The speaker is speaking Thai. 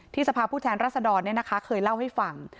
ที่สภาพผู้แทนรัศดรเนี่ยนะคะเคยเล่าให้ฟัง